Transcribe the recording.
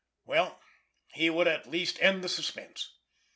Well, he would at least end the suspense!